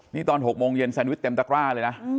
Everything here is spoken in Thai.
นี่ตอน๖โมงเย็นแซนวิชเต็มตะกร้าเลยนะ